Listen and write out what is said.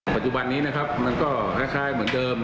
ปัจจุบันนี้นะครับมันก็คล้ายเหมือนเดิม